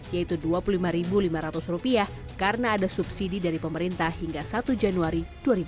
yaitu rp dua puluh lima lima ratus karena ada subsidi dari pemerintah hingga satu januari dua ribu dua puluh